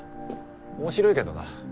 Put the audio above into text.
面白いけどな。